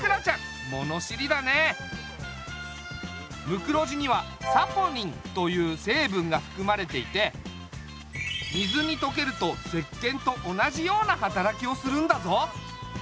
ムクロジにはサポニンというせいぶんがふくまれていて水にとけると石けんと同じような働きをするんだぞ。